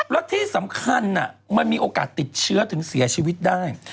แล้วที่สำคัญมันมีโอกาสติดเชื้อถึงเสียชีวิตได้